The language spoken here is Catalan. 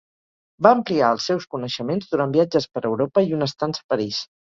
Va ampliar els seus coneixements durant viatges per Europa i una estança a París.